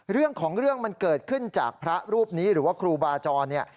เรื่องของเรื่องมันเกิดขึ้นจากพระรูปนี้หรือว่าครูบาจรเนี่ย